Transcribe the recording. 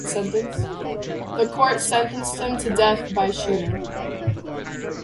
The court sentenced him to death by shooting.